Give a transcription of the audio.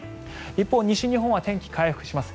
一方、西日本は天気、回復します。